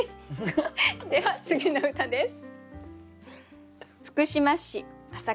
では次の歌です。